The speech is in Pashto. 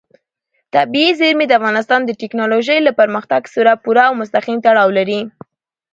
طبیعي زیرمې د افغانستان د تکنالوژۍ له پرمختګ سره پوره او مستقیم تړاو لري.